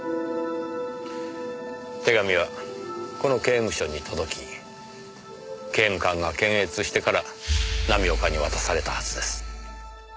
手紙はこの刑務所に届き刑務官が検閲してから浪岡に渡されたはずです。